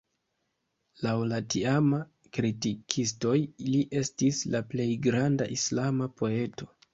Laŭ la tiamaj kritikistoj li estis la plej granda islama poeto.